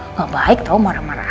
nggak baik tau marah marah